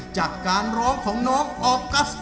จากการร้องของน้องออกัส